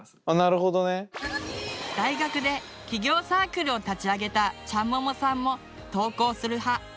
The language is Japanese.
あなるほどね。大学で起業サークルを立ち上げたちゃんももさんも投稿する派。